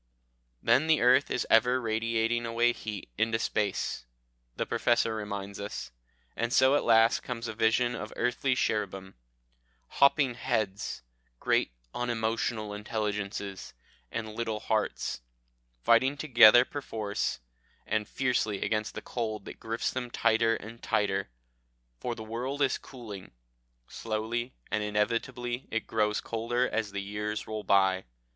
Then the earth is ever radiating away heat into space, the Professor reminds us. And so at last comes a vision of earthly cherubim, hopping heads, great unemotional intelligences, and little hearts, fighting together perforce and fiercely against the cold that grips them tighter and tighter. For the world is cooling slowly and inevitably it grows colder as the years roll by.